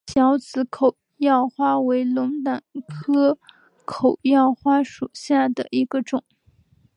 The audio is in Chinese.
小籽口药花为龙胆科口药花属下的一个种。